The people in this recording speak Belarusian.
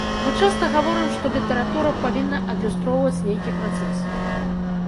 Мы часта гаворым, што літаратура павінна адлюстроўваць нейкі працэс.